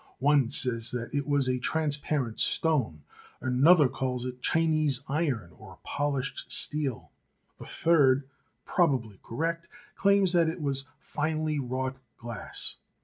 One says that it was a transparent stone; another calls it Chinese iron or polished steel; a third, prob ably correctly, claims that it was finely wrought glass.